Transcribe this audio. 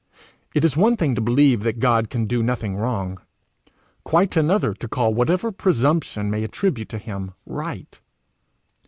It is one thing to believe that God can do nothing wrong, quite another to call whatever presumption may attribute to him right.